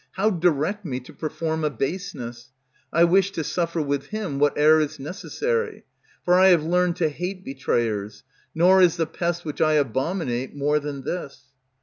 How direct me to perform a baseness? I wish to suffer with him whate'er is necessary, For I have learned to hate betrayers; Nor is the pest Which I abominate more than this.